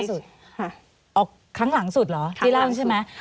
ครั้งล่าสุดอ๋อครั้งหลังสุดเหรอที่เล่านั้นใช่ไหม